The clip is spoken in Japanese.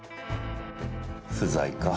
不在か。